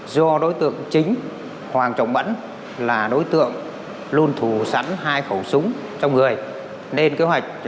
do đối tượng chính hoàng trọng mẫn là đối tượng luôn thù sẵn hai khẩu súng trong người nên kế hoạch